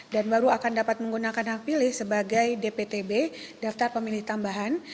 baru akan dapat menggunakan hak pilih sebagai dptb daftar pemilih tambahan